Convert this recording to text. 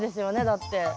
だって。